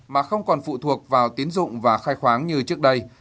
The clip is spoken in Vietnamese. mà không còn phụ thuộc vào tiến dụng và khai khoáng như trước đây